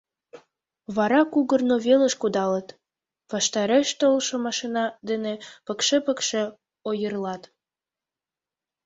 Вара кугорно велыш кудалыт — ваштареш толшо машина дене пыкше-пыкше ойырлат.